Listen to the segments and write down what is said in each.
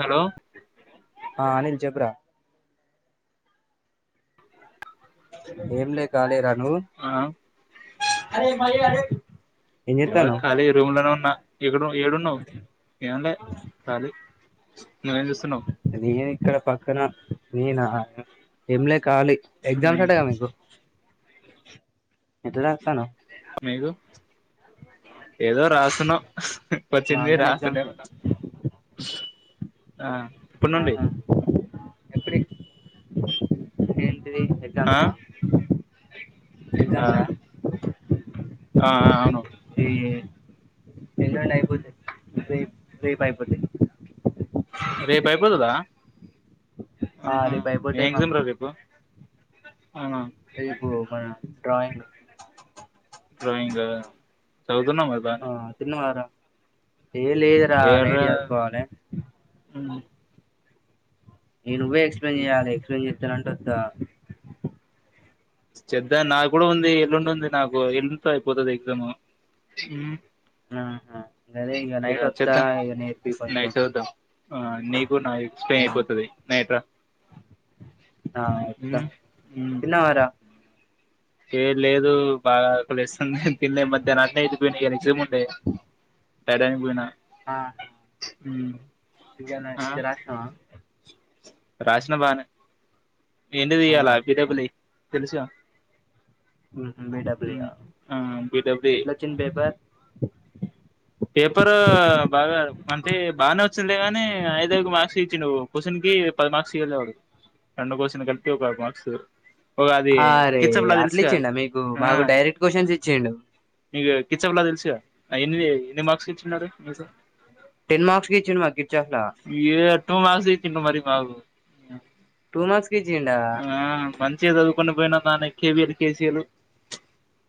hello ఆ అనిల్ చెప్పురా ఏం లే కాలిరా నువు ఆ నెన్ కూడ ఖాళీ రూమ్ లోనే ఉన్నా ఎక్కడు ఏడున్నావ్ ఎమ్లె ఖాళీ నువ్వేం చేస్తున్నావ్ నేను ఇక్కడ పక్కన నేనా ఎంలే కాలి ఎగ్జామ్స్ అంట గా మీకు ఎట్ల రాస్తన్నావ్ మీరు ఏదో రాసున్నావ్ వచ్చింది మాకు గాని రాసనే ఎగ్జామ్స్ ఏ ఆ ఎప్పునుండి ఆహా ఏంటి ఎగ్జామ్స్ ఆ ఎగ్జామ్స్ ఆ ఆ అవును అయిపోతాయ్ రెప్ అయిపోతాయ్ రేపు అయిపోతదా ఆ ఆహా రేపు ఏ అయిపోతాయి ఎక్జామ్ రా మాకు రేపు అవునా రేపు మన డ్రాయింగ్ డ్రాయింగ్ చదుకున్నవా మరి బానే ఏం లేద్రా నైట్ ఏర్రా చదువుకోవాలే ఇక నువ్వే ఎక్స్ప్లెయిన్ చెయ్యాలి ఎక్స్ప్లెయిన్ చేస్తానంటే వత్తా చెప్దాం నాకు కూడా ఉంది ఎల్లుండింది నాకు ఎలుండ్తో అయిపోతది ఎక్సమ్ ఆ హ గదే ఇంక నైట్టోత చేద్దాం ఇగ నేర్పి కొంచెం నైట్ చదువుదాం ఆ నీకు నా ఎక్స్ప్లెయిన్ ఉమ్, అయిపోతుది నైట్రా ఆ వొత తిన్నవారా ఏ లేదు బాగా ఆకలేస్తుంది తిన్లే మధ్యాహ్న అట్లే అయిపోయింది ఎక్సమ్ ఉండే రైడాన్కి పోయిన ఆహా హ్మ్ రివిజన్ అయ్ మంచిగా రాస్నవా రాస్న బానే ఏంటి బానే దియ్యాలా రాసినవా బిడబ్ల్యూ తెల్సుగా ఊహమ్ బిడబ్ల్యూ ఆ బి డబుల్ ఈ ఎట్లా వచ్చింది పేపర్ పేపరు బాగా అంటే బానే వచ్చిందిగాని ఐదైదు మార్క్స్ ఇచ్చిండు క్వశ్చన్కి పది మర్క్స్ ఇలే వాడు రెండు కొశిన్లు కలిపి ఒక ఐదు మర్క్స్ ఒక అది అరే కిచెమ్లా అట్ల తెలుస్గ ఇచ్చిండా మీకు ఆ మాకు డైరెక్ట్ క్వశ్చన్స్ ఇచ్చిండు మీకు కిచమ్లా తెలూస్గా అవి ఎన్ని ఎన్ని మార్క్స్ టెన్ మార్క్స్ కి ఇచ్చిండు మాకు కిర్చాఫ్ లా ఏ టూ మంత్స్ ఇంకమరి టూ మార్క్స్ కి ఇచ్చిండా ఆ మంచిగ చదువు కొని పోయిన నాన్న కేవఎల్ కేసల్లు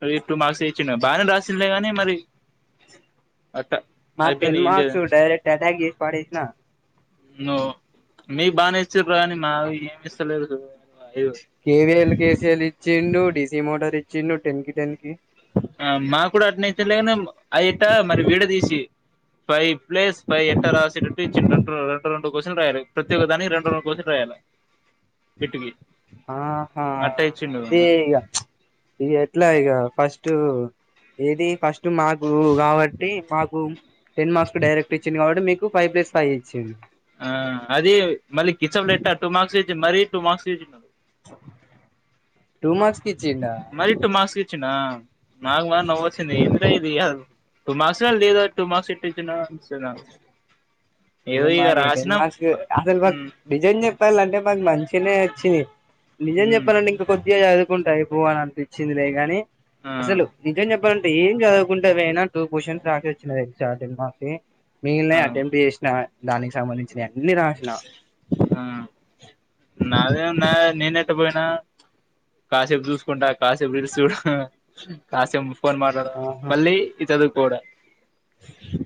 అవి ట్వ మార్క్స్ ఇచ్చిన బానే రాసిలే గానీ మరి అట్ట మ అయిపోయింది టెన్ ఏం చేయలేం మార్కసు డైరెక్ట్ ఎటాక్ చేసి పడేస్నా న మీకు బానే ఇచ్చారు కానీ మావి ఏమి ఇస్తలేదు కేవఎల్ కేసిఎల్ ఇచ్చిండు డిసి మోటార్ ఇచ్చిండు టెన్కి టెన్కి ఆ మాకూడా అట్ఇతనే లేనెమో అయట్ట మరి వీడ తీసి ఫైవ్ ప్లస్ ఫైవ్ ఎట్ట రాసటట్టు ఇచ్చిన రెడు రెండు రెండు కోసిన్లు రాయాలి ప్రత్యేక్క దానికి రెండు రెండు కోసిన్లు రాయాల పెట్టికి ఆహా అదే ఈగ ఇ ఎట్లా ఈగ ఫస్ట్ ఏది ఫస్ట్ మార్ నువ్ కాబట్టి మాకు టెన్ మార్క్స్ డైరెక్ట్ ఇచ్చిండు కాబట్టి మీకు ఫైవ్ ప్లస్ ఫైవ్ ఇచ్చిండు ఆ అది మళ్ళీ కిచప్ పెట్ట టూ మార్క్స్ చచ్చి మరీ టూ మార్క్స్ చచ్చిడు ట్వ మర్క్స్ మరి ట్వ మార్క్స్కి ఇచ్చిండు నాకు మరి నవొచింది ఇంద్ర ఇది కాదు టూ మార్క్స్లా లేదు టూ మార్క్స్ ఎట్టిచ్చిండ ఏ ఇగ మాకు టన్ రాసినం మార్స్ అసలు బ ఉమ్ నిజం చెప్పాలంటే మంచినే వచ్చేయి నిజం ఉమ్ చెప్పనండి ఇంక కొద్దిగా చదు కుంట అయిపో అని అనిపించిందిలే గాని ఆ అసలు నిజం చెప్ప ఎప్పుంటే ఏం చదువకుంటే పోయినా టూ క్వశ్చన్స్ రసోచ్చిన తెల్సా టెన్ మార్క్స్వి మిగిల్నై ఆ అటెంప్ట్ చేసినా దానికి సంబంధించిన అన్ని రాసిన ఆ నాదే ఉనై నేనేట్ట పోయినా కాసేపు చూసుకుంటా కాసేపు రీల్స్ చూస్థా కాసేపు ఫోన్ మాట్లాడం ఆహా మళ్ళీ ఇ చదువుకోడా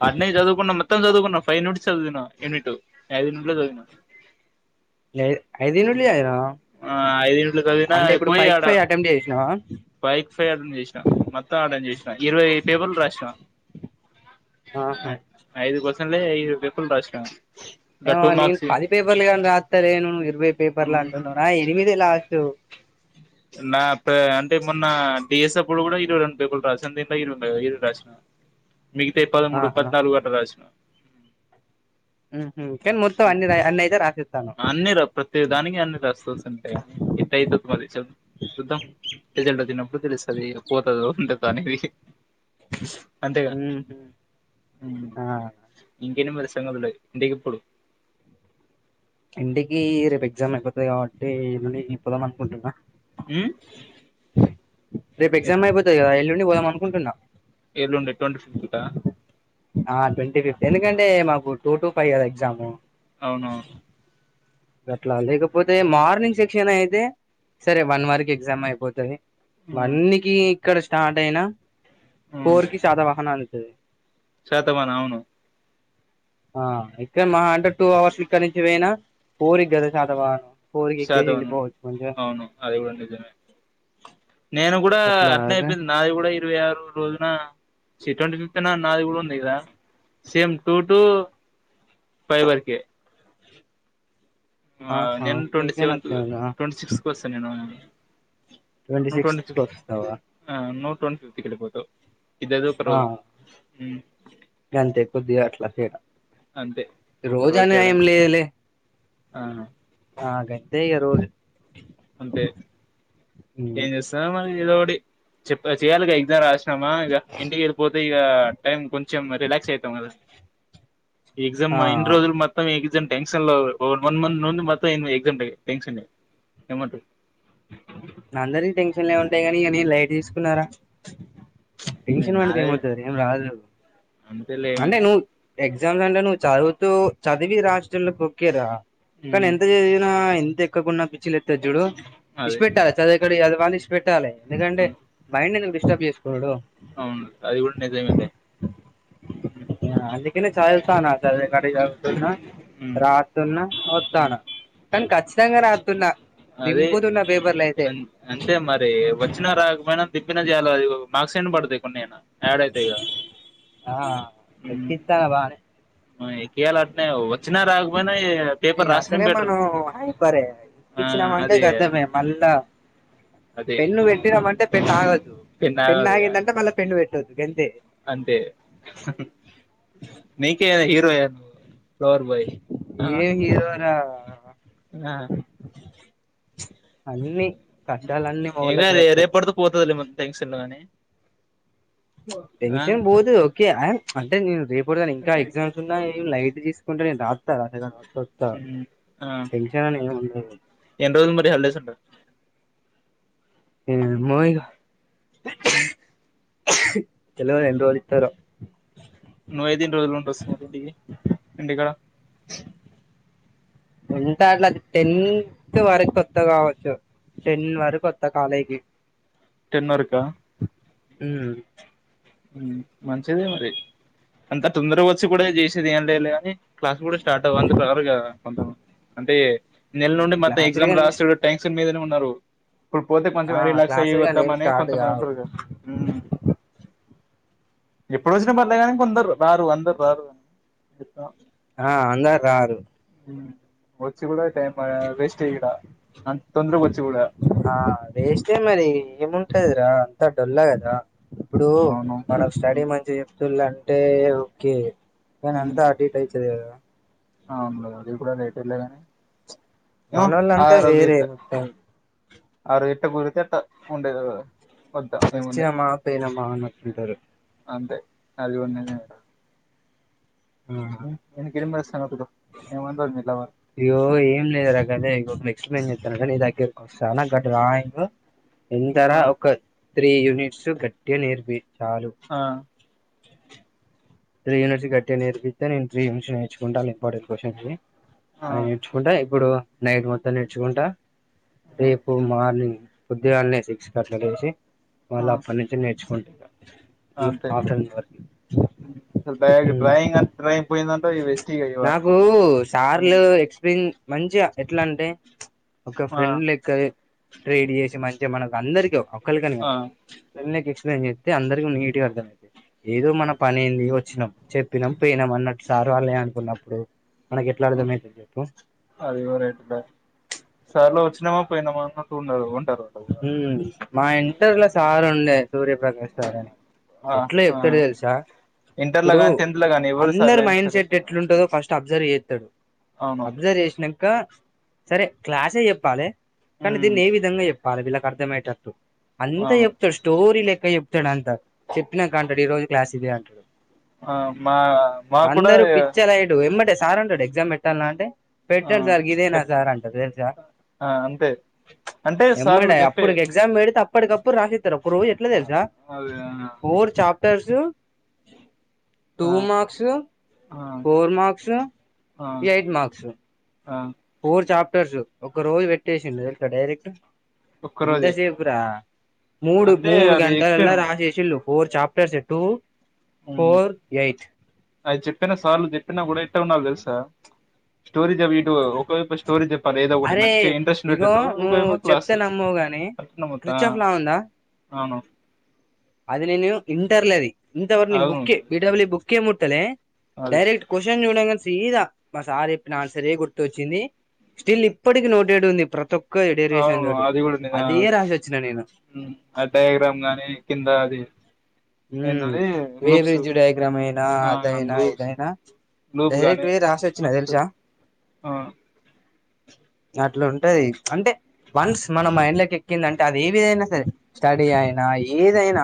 అనే చదువుకున్నా మత్తం చదువుకున్నా ఫైవ్ మీనిట్స్ చదివిన యూనిట్ ఐదుట్ లో చదివిన లేద్ ఐదు యూనిట్లు చదివినావ్ ఆ ఐదు యూనిట్లు చదివినా అంటే ఇప్పుడు పోయి ఫైవ్ ఆడ ఫైవ్ అటెంప్ట్ చేసినావా బైక్ ఫై ఆడన్ చేసినాం మొత్తం ఆర్ట చేసినా ఇరవై ఏడు పేపర్లు రాసినా ఆహా టే ఇర్రవై పేపర్లు రాసిన ఏ గా టూ నేను మార్క్స్ వి పది పేపర్లు కాని రాస్తారేనూ ఇరవై పేపర్లు అంటుంనావు రా ఎనిమిది లాస్ట్ నా ఇ అంటే మొన్న డిఎస్స అప్పుడు కూడా ఇరై రండు పేపులు రాస దీంలో ఇరు ఇర రాసా మిగితాయీ పదమూడు ఆహా పద్నాలుగు అట్లా రాసిన ఉహు కానీ మొత్తం ఆ అన్నయితే రాసి అన్ని ర ప్రతి దానికి అన్ని రెస్తుస్ ఉంటాయి కానీ ఎట్ అవుతుంది మది చ చూద్దాం రిజల్ట్ వచ్చినప్పుడు తెలుస్తుంది పోతుది ఉంటుది అనేది అంతేగా ఉహు ఆ ఇంకే మరి సంగతులు ఇంటికి ఎప్పుడు ఇంటికి రేపు ఎగ్జామ్ అయిపోతుంది కాబట్టి ఎల్లుండి పోదాం అనుకుంటున్నా ఉమ్ రేపు ఎగ్జమ్ అయిపోతంది కదా వెల్లుండి పోదం అనుకుంటున్నా ఏలుండే ట్వంటీ ఫిఫ్త్ట ఆ ట్వంటీ ఫిఫ్త్ ఎందుకంటే మాకు టూ టు ఫైవ్ ఎగ్జామ్ అవునవును ఆట్లా లేకపోతే మార్నింగ్ సెక్షన్ అయితే సరే వన్ వర్ క ఎగ్జామ్ అయిపోతుది వన్ ఉమ్ క ఇక్కడ స్టార్ట్ అయినా ఫోర్ కి శదావాహన అందుతుది శాతమాన్ అవును ఆ ఇక్కడ మహా అంటే టూ అవర్స్ ఇక్కడ నుంచి పోయినా పోరి కదా శాతవాహనం ఫోర్ కి ఎక్కేసి శాతవ వెళ్ళిపోవచ్చు మంచిగా అవును అది కూడా నిజమే నేను కూడా అట్లా అట్నే అదే అయిపోయింది నాది కూడా ఇరవై ఆరు రోజున చి ట్వంట ఫిఫ్త్ నాదీ కూడా ఉంది ఇద సేమ్ టూ టు ఫైవ్ వరకే ఆహా నేను ట్వంటీ నీకని సెవెంత్ అట్లే ఉందా ట్వంటీ సిక్స్ కు వస్తా నేను ట్వంటీ నువ్వు ట్వీటీ సిక్స్త్ కి ఫిఫ్త్ వస్తావా ఆ ట్వంటీ ఫిఫ్త్ ఇక్కడ పోతావ్ ఇద్దరిదీ ఒక రోజు ఉమ్ అంతే కొద్ది అట్లా తేడా అంతే ఒక రోజు తేడా రోజానేయం లేదులే ఆ నాకైతే ఇక రోజు అంతే ఉమ్ ఏం చేస్తార మరి ఏదో ఒకటి చెప్ప చెయాలి క ఎగ్జామ్ రాసి మా ఇ ఇంటిక పోతే ఇక టైమ్ కొంచెం రిక్స్ అయితం కదా ఎగ్జామ్ ఆ ఇయిన్ని రోజులు మొత్తం ఎ ఎక్సంలో టెన్షన్ వన్ మంత్ ను మొత్తం ఎజాట్ టెన్షన్మ నా అందరి టెన్షన్లే ఉంటాయి కాగాని అని లైట్ తీసుకున్నారా టెన్షన్ నాదే ఏమొత్తది ఏం రాదు అంతేలే అంటే గాని నువ్వు ఎగ్జామ్స్ అంటే నువ్వు చదువుతూ చదివి రాసేటోళ్లకు ఓకే రా కానీ ఉమ్ ఎంత చదివినా ఎంత ఎక్కకుండా పిచ్చి లేతది చుడు ఇసి అదే పెట్టాలి చదిక్కడ చదవాల ఇసి పెట్టాలి ఎందుకంటే అన్ మైడ్ డిస్టబ్ చేస్త అవును అది కూడా నిజంమే లే అందుకనే చాలల్స్తాను కడి న్నా ఉమ్ రాతున్నా ఉమ్ వస్తాను కానీ ఖచ్చితంగా రాతున్నా అది దింపుతున్నా పేపర్లు అయితే అంటే మరి వచ్చినా రాకపోయినా తిప్పినా చేల అది మాక్స్ ఎన్ని పడతాయి కొన్నేనా యాడ్ అయితాయి కదా ఆ ఎక్కిత్తాన బానే ఎకియాల అట్నే వచ్చినా రాకపోయినా పేపర్ రాసిన బెటర్ ఆ ఇచ్చినామంటే అదే గద్దమే మళ్ళా అదే పెన్ను పెట్టిరమంటే పెన్న ఆగద్దు పెన్ పెన్న ఆగదు ఇగ ఆగందంటే మళ్ళా పెన్ను పెట్టొదు గంతే అంతే నీకే హీరోయ నువ్వు ఫ్లవర్ బాయ్ ఆ ఏం గిరోర ఆ అన్ని కష్టాలన్నీ ఇంగా మొగోళ్ళకే రే వస్తాయి రేపడితో పోతది లే మనకు టెన్షన్ అని టెన్షన్ పోదు ఓకే అంటే నేను రేపు ఇప్పుడు కాని ఇంకా ఎగ్జమ్స్ ఉన్నాయి లైట్ తీసుకుంటా కాని తీసుకుంట నేను రాత్తా సొత్తా ఆ టెన్షన్ అని ఏం ఉండదు ఎన్ని రోజులు మరి హాలిడేస్ ఉంటా ఏమో ఇగ ఉ తెలువది ఎన్ని రోజులిస్తారో నువ్వైతే ఎన్ని రోజులు ఉండి వస్తావ్ మరి ఇంటికి ఇంటికాడ ఉంటలా టెన్త్ వరకు కొత్త కావచ్చు టెన్ వారకొత్త కాలేజీకి టెన్ వరక ఉ మంచిదే మరి అంత తొందరగా వచ్చి కూడా చేసేది ఏం లేలే అని క్లాస్ కూడా స్టార్ట్ అవ్వ అంత రారుగ కొంత మంది అంటే నెల నుండి మత్ క్లాసులు ఎగ్జామ్ గాని రాసుడు ట్యాంక్క్షన్ మీదనే ఉన్నారు ఇప్పుడు పోతే కొంచెం ఆ రిలాక్స్ అయ్యి క్లాసులు గాని ఏం వద్దాంమని స్టార్ట్ కొంతమంది కావు ఉంటారు కదా ఎప్పుడు వచ్చినా పర్లేగాని కొందరు రారు అందరు రారు ఆ అందర్ రారు వచ్చి కూడా టైమ్ పా వేస్ట్ ఈడ అంత తొందరగా వచ్చి కూడా ఆ వేస్టే మరి ఏం ఉంటదిరా అంత డొల్ల కదా ఇప్పుడు అవును మనకు స్టడీ మంచి చెప్తులంటే ఓకే కని అంత అటు ఇటు అయితది కదా ఆ అవును లే అది కూడా రైటె లే గాని ఎమో మనోళ్ళంతా ఆరోజు వేరే ఎట్ మొత్తం అరు ఎట్ట గుడితే అట్ట ఉండే వచ్చినమ్మా పోయినమ్మా అన్నట్టు ఉంటది అంటే అది ఉన్నింది ఆ ఎ [unintelligible] అయ్యో ఏం లేదు రా గదే ఎక్స్ప్లెయిన్ చేస్తారు కానీ దగ్గరకి గ డ్రాయింగ్ ఆ ఎంతరా ఒక త్రీ యూనిట్స్ గట్టి గా నేర్పి చాలు ఆ త్రీ యూనిట్స్ గట్టిగా నేర్పితే నేను త్రీ యూనిట్స్ నేర్చుకుంటా ఇంపార్టెంట్ క్వశ్చన్ అది ఆ అవి నేర్చుకుంటా ఇప్పుడు నైట్ మొత్తం నేర్చుకుంటా రేపు మార్నింగ్ ఉద్ద్యగాల్ని శిక్ష కట్లు చేసి వాళ్ళు అప్పటి నుంచి నేర్చుకుం అంత డ్రయింగ్ డ్రయింగ్ అంత నాకు సార్లు ఎక్స్పీరియన్ మంచిగా ఎట్లా అంటే ఒక ఆ ఫ్రెండ్ లెక్క ట్రేడ్ చేసి మంచిగా మనకు అందరికి ఒక్కలికని ఆ కాదు కమ్యూనికేషన్ చెప్తే అందరికి నీట్గా అర్థంమయితది ఏదో మన పనేంది వచ్చినాం చెప్పినాం పోయినాం అన్నట్ సార్ వాళ్ళే అనుకున్నప్పుడు ఎట్లా అర్థమవుతుంది చెప్పు అదివరటి సళవ వచ్చినవా పోయినావా అన్నట్టు ఉండాలి మా ఇంటర్లో సార్ ఉండే సూర్యప్రకాష్ గారని ఆ ఎట్లా ఆ చెప్తాడు తెలుసా ఇంటర్లో ఇప్పుడు గాని టెన్త్ లో గాని ఎవరు సార్లు అందరు అయినా మైండ్ సరే సెట్ ఎట్లుంటుందో ఫస్ట్ అ అబ్జర్వ్ చేస్తాడు అవును అబ్జర్వ్ చేసినాక సరే క్లాసే చెప్పాలి కానీ ఉమ్ దీన్ని ఏ విధంగా చెప్పాలి వీళ్ళకి అర్థమయేటట్టు అంతా అవును చెప్తాడు స్టోరీ ఇంకా చెప్తాడు అంతా చెప్పినాక అంటడు ఈ రోజు క్లాస్ ఇదే అంటాడు ఆ మా మా కూడా అందరు పిచ్చలైడు ఏమ్మంటే సార్ అంటాడు ఎగ్జామ్ పెట్టాల అంటే ఆ పెట్టారు సార్ గిదేనా పెట్ సార్ అంట తెలుసా ఆ అంతే అంటే ఇమ్ సార్లు చెప్పే అప్పడుకి ఎగ్జామ్ పెడితే అప్పటికప్పుడు రాసిస్తారు రోజ్ ఎట్లా తెలుసా అదే ఆ ఫోర్ చాఫ్టర్స్ టూ ఆ మార్క్స్ ఫోర్ మార్క్స్ ఆ ఎయిట్ మార్క్స్ ఆ ఫోర్ చాప్టర్స్ ఒక రోజు పెట్టేసిండు ఇట్లా డైరెక్ట్ ఒక్క రోజే ఎంతసేపు రా మూడు అంటే మూడు అది గంటలలా ఎక్స్ప్లెయిన్ రాసేసిళ్ళు four chapters two four eight అది చెప్పినా సార్లు చెప్పినా కూడా ఎట్టే ఉన్నా తెలుసా స్టోరీ చెప్ప ఇటు ఒకవైపు స్టోరీ చెప్పాలి ఏదో ఒకటి అరే మంచిగా ఇంట్రెస్ట్ ఉండేటట్టు ఒకవేపు క్లాసు అట్లనే మొత్తం రిచ్ అఫ్ లా ఉందా అవును అది నేను ఇంటర్ల అది ఇంతవరకు అవును సి డబ్ల్యూ బుకే మొట్టలే అదే డైెరక్ట్ క్వశ్చన్ చుడ సీదా మా సార్ చెప్పిన ఆన్సర్ గుర్తుచ్చింది స్టిల్ ఇప్పటికకి నోటేడ్ ఉంది ప్రతి ఒక్క ఎక్కువ ఎడియర్ చేసినం అవును చూడు అది కూడా నిజ అదే రాసి వచ్చిన నేను ఉమ్ ఆ డయాగ్రామ్ గాని కింద అది ఉ ఏందది లూప్స్ వేవ్రిజ డయాగ్రామ్ అయినా ఆ అదైనా లూప్స్ ఏదైనా లూప్ డైరెక్ట్ గాని పోయి రాసి వచ్చినా మస్తు తెలుసా ఆ అట్లా ఉంటదీ అంటే వన్స్ మనం మానమైండ్లకి ఎక్కిందంటే అది ఏదైనా సరే స్టడీ అయినా ఏదైనా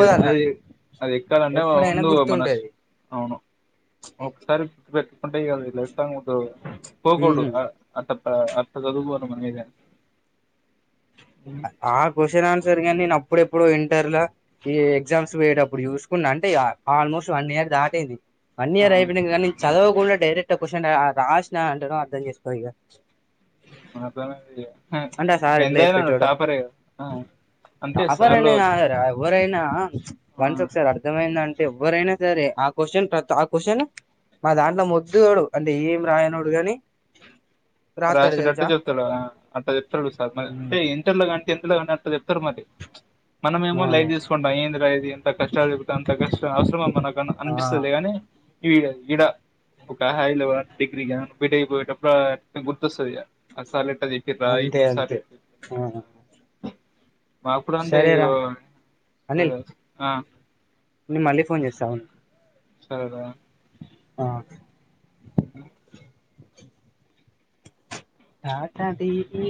ఏదో అది అది ఎక్కాలంటే ముందు మన గుర్తుంటది అవును ఒకసారి పెట్ [unintelligible] పోకూడదు ఉమ్ అ అట్ల చదువు కోవాలి ఏదైనా ఉమ్, ఆ క్వశ్చన్ అన్ గాని నేను అప్పుడెప్పుడు ఇంటర్ ఎగ్జామ్స్ పోయేటప్పుడు చూసుకున్నా అంటే ఆల్మోస్ట్ వన్ ఇయ దాటీంది వన్ ఇయర్ ఆ అయిపోయి కానీ చదవకుండా డైరెక్ట్ క్వశ్చన్ రాసిన అంటనే అర్థం చేసుకో ఇక అర్ధం అయింది అంటే సార్ ఎట్లా చెప్పేటోడు ఆ, అంటే టాప్పర్ సార్లు అని కాదురా ఎవరైనా ఆ, వన్స్ ఒకసారి అర్థమైంద అంటే ఎవ్వరైనా సరే ఆ క్వశ్చన్ ఆ క్వశ్చన్ మా దాంట్లో మొద్దువోడు అంటే ఏం రాయనోడు కాని రాసేటట్టే చెప్తా అట్లా చెప్తాడు సార్ అంటే ఇంటర్లో కాని టెన్త్ లొ కానీ అట్లా చెప్తారు మరి మనమ ఏమో ఆ లైవ్ తీసుకుంటాం ఏంది రా ఎంత కష్టాలు చెపితే అంత కష్టం అవసరమ మనకు ఆ అనిపిస్తదీ గాని ఈ ఇడ ఒక హై లెవెల్ డిగ్రీ కాని బి టేక్ పోయేటప్పుడు గుర్తొస్తదిగా ఆ సార్ ఎట్లా చేపిరా ఇటు అంతే ఈ సార్ అంతే చేపి ఆ మా అప్పుడు అంటే సరేరా అనిల్ ఆ నేను మళ్ళీ ఫోన్ చేస్తా అగు సరే రా ఆ [unintelligible] అట్లాటివి